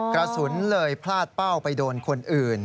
กระสุนเลยพลาดเป้าไปโดนคนอื่น